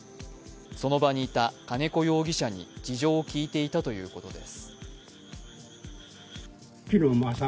その場にいた金子容疑者に事情を聴いていたということです。